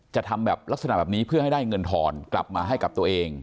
ทำแบบลักษณะแบบนี้เพื่อให้ได้เงินทอนกลับมาให้กับตัวเอง